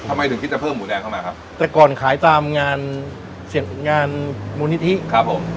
ทำไมถึงคิดจะเพิ่มหมูแดงเข้ามาครับแต่ก่อนขายตามงานเสียงงานมูลนิธิครับผม